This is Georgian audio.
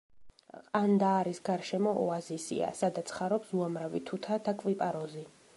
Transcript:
ყანდაარის გარშემო ოაზისია, სადაც ხარობს უამრავი თუთა და კვიპაროზი.